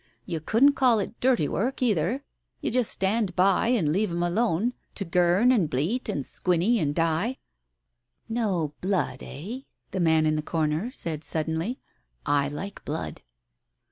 You couldn't call it dirty work either. You just stand by and leave 'em alone — to girn and bleat and squinny and die." "No blood, eh ?" the man in the corner said suddenly. "I like blood."